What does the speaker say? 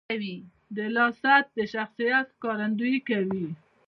• د لاس ساعت د شخصیت ښکارندویي کوي.